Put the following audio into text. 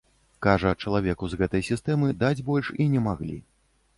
Кажа, чалавеку з гэтай сістэмы даць больш і не маглі.